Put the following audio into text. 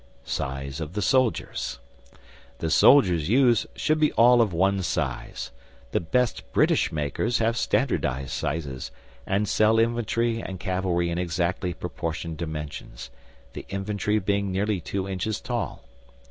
SIZE OF THE SOLDIERS The soldiers used should be all of one size. The best British makers have standardised sizes, and sell infantry and cavalry in exactly proportioned dimensions; the infantry being nearly two inches tall.